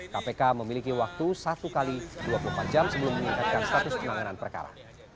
kpk memiliki waktu satu x dua puluh empat jam sebelum meningkatkan status penanganan perkara